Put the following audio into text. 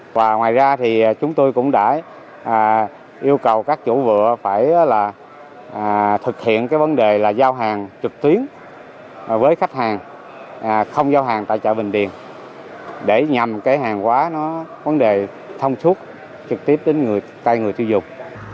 và ngoài ra thì chúng tôi cũng đã yêu cầu các chủ vựa phải là thực hiện cái vấn đề là giao hàng trực tuyến với khách hàng không giao hàng tại chợ bình điền để nhằm cái hàng hóa nó vấn đề thông suốt trực tiếp đến tay người tiêu dùng